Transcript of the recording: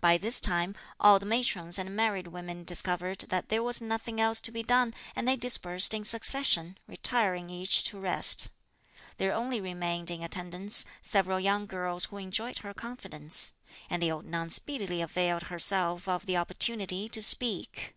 By this time, all the matrons and married women discovered that there was nothing else to be done, and they dispersed in succession, retiring each to rest. There only remained in attendance several young girls who enjoyed her confidence, and the old nun speedily availed herself of the opportunity to speak.